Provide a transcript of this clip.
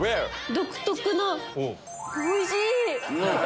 独特なおいしい！